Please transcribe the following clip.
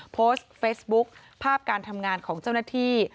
โพสต์เฟซบุ๊คภาพการทำงานของเจ้าหน้าที่